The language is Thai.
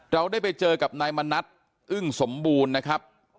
เราได้ไปเจอกับนายมณัฐอึ้งสมบูรณ์นะครับ